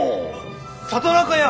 里中屋！